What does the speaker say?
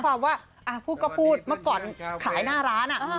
ว่าพูดก็พูดเมื่อก่อนขายหน้าร้าน